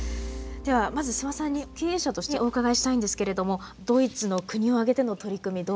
ではまず諏訪さんに経営者としてお伺いしたいんですけれどもドイツの国を挙げての取り組みどうご覧になりました？